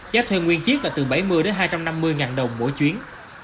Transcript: giá thường nguyên chiếc là từ bảy mươi hai trăm năm mươi ngàn đồng mỗi chuyến